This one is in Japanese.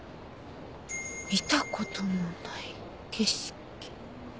「見たことのない景色」。